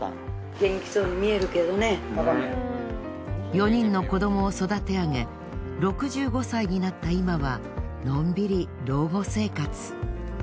４人の子どもを育てあげ６５歳になった今はのんびり老後生活。